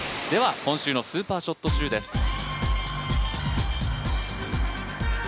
では、今週のスーパーショット集です。